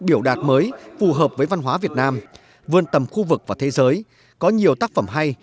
biểu đạt mới phù hợp với văn hóa việt nam vươn tầm khu vực và thế giới có nhiều tác phẩm hay